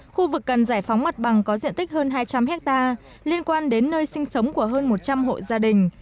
khu vực cần giải phóng mặt bằng có diện tích hơn hai trăm linh hectare liên quan đến nơi sinh sống của hơn một trăm linh hộ gia đình